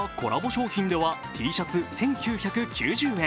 商品ではＴシャツ１９９０円。